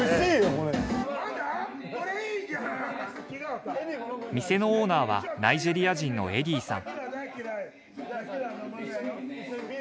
これいいじゃん店のオーナーはナイジェリア人のエディさん